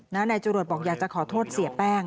นายจรวดบอกอยากจะขอโทษเสียแป้ง